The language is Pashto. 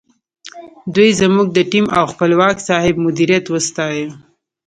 دوی زموږ د ټیم او خپلواک صاحب مدیریت وستایه.